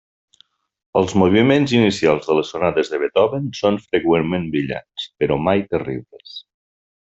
Els moviments inicials de les sonates de Beethoven són freqüentment brillants, però mai terribles.